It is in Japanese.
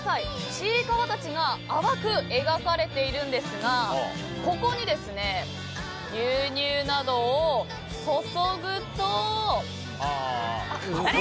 ちいかわたちが淡く描かれているんですがここに牛乳などを注ぐと。